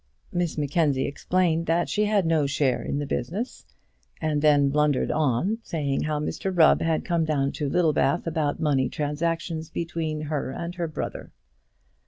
Miss Mackenzie explained that she had no share in the business; and then blundered on, saying how Mr Rubb had come down to Littlebath about money transactions between her and her brother.